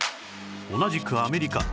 同じくアメリカ